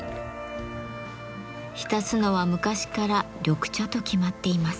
浸すのは昔から緑茶と決まっています。